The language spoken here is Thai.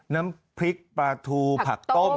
น้ำพริกปลาทูผักต้ม